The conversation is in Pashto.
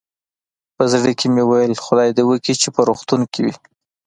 په زړه کې مې ویل، خدای دې وکړي چې په روغتون کې وي.